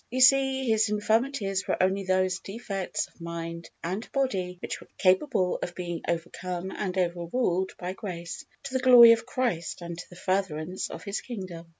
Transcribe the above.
You see, his infirmities were only those defects of mind and body which were capable of being overcome and overruled by grace, to the glory of Christ and to the furtherance of His kingdom.